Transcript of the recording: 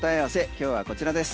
今日はこちらです。